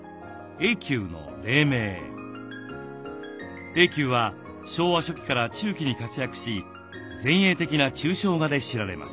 瑛九は昭和初期から中期に活躍し前衛的な抽象画で知られます。